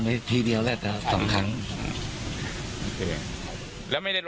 มีรถกระบะจอดรออยู่นะฮะเพื่อที่จะพาหลบหนีไป